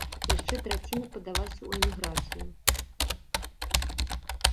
Яшчэ траціна падалася ў эміграцыю.